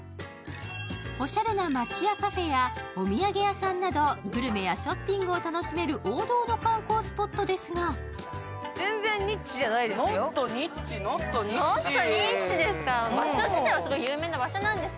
おしゃれな町家カフェやお土産屋さんなど、グルメやショッピングを楽しめる王道の観光スポットですが３人がやって来たのは箔座金の縁起屋。